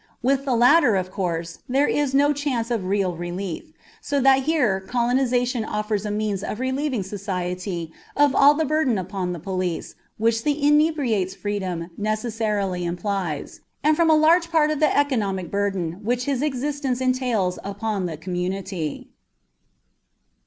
With the latter, of course, there is no chance of real relief, so that here colonization offers a means of relieving society of all of the burden upon the police which the inebriate's freedom necessarily implies, and from a large part of the economic burden which his existence entails upon the community.